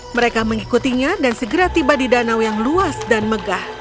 mereka mengikutinya dan segera tiba di danau yang luas dan megah